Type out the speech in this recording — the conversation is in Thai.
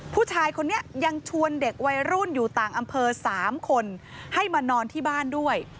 ผู้ชายคนนี้ยังชวนเด็กวัยรุ่นอยู่ต่างอำเภอ๓คนให้มานอนที่บ้านด้วย